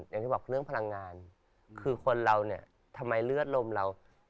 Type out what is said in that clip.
อย่างที่บอกเรื่องพลังงานคือคนเราเนี่ยทำไมเลือดลมเรา